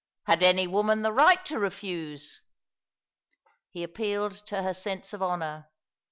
Had any woman the right to refuse? He appealed to her sense of honour.